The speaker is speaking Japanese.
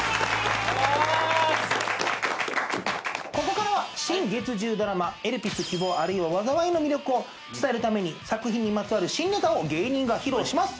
ここからは新月１０ドラマ『エルピス−希望、あるいは災い−』の魅力を伝えるために作品にまつわる新ネタを芸人が披露します。